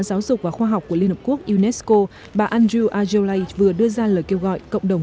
giáo dục và khoa học của liên hợp quốc unesco bà andrew azolai vừa đưa ra lời kêu gọi cộng đồng